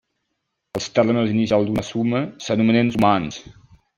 Els termes inicials d'una suma s'anomenen sumands.